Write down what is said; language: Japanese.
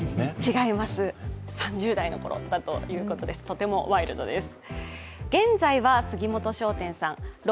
違います、３０代のころだということです、とてもワイルドです。